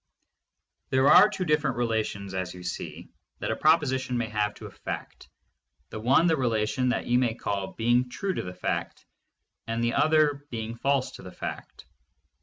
There are two different relations, as you see, that a proposition may have to a fact: the one the relation that you may call being true to the fact, and the other being false to the fact.